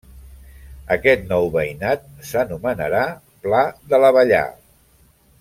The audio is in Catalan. Aquest nou veïnat s'anomenarà Pla de l'Avellà.